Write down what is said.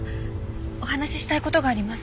お話ししたい事があります。